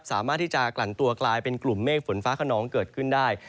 สามารถที่จะกลั่นตัวกลายเป็นกลุ่มเมฆฝนฟ้าขนองเกิดขึ้นได้